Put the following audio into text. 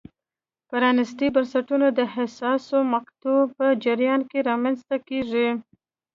پرانیستي بنسټونه د حساسو مقطعو په جریان کې رامنځته کېږي.